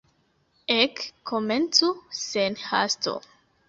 Ek, komencu sen hasto.